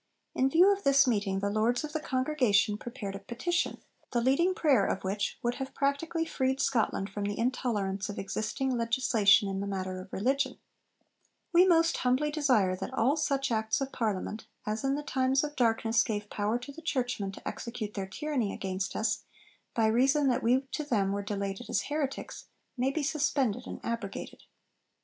In view of this meeting the Lords of the Congregation prepared a petition, the leading prayer of which would have practically freed Scotland from the intolerance of existing legislation in the matter of religion 'We most humbly desire that all such Acts of Parliament, as in the time of darkness gave power to the churchmen to execute their tyranny against us, by reason that we to them were delated as heretics, may be suspended and abrogated.'